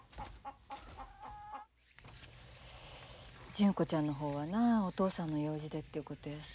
純子ちゃんの方はなお父さんの用事でっていうことやし。